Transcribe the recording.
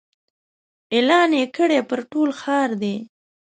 اعلان یې کړی پر ټوله ښار دی